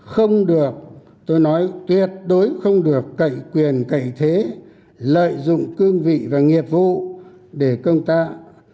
không được tôi nói tuyệt đối không được cậy quyền cậy thế lợi dụng cương vị và nghiệp vụ để công tác